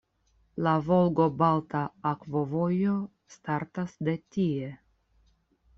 La Volgo-Balta Akvovojo startas de tie.